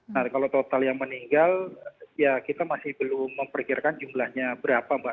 nah kalau total yang meninggal ya kita masih belum memperkirakan jumlahnya berapa mbak